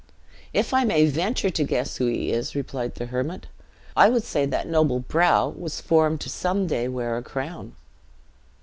"If I may venture to guess who he is," replied the hermit, "I would say that noble brow was formed to some day wear a crown."